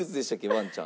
ワンちゃん。